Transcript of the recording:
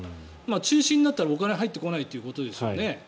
中止になったらお金が入ってこないということですよね。